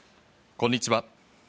こんにちは。